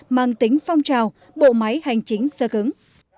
mang tính phong trào bộ máy hành chính sơ cứng